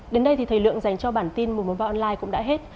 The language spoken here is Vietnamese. đến đây thì thời lượng dành cho bản tin mùa môn vào online cũng đã hết